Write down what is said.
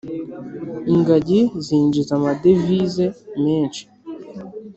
Ingagi zinjiza amadevizi menshi